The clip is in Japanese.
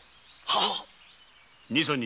二三日